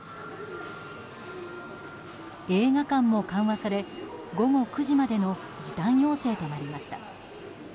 映画館も緩和され午後９時までの時短要請となりました。